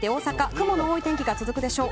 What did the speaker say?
雲の多い天気が続くでしょう。